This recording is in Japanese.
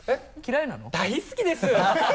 大好きです！